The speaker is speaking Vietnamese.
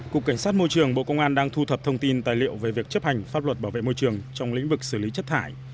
cục cảnh sát môi trường bộ công an đang thu thập thông tin tài liệu về việc chấp hành pháp luật bảo vệ môi trường trong lĩnh vực xử lý chất thải